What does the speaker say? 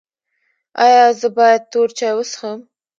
ایا زه باید تور چای وڅښم؟